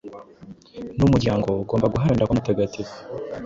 n‟umuryango ugomba guharanira kuba mutagatifu.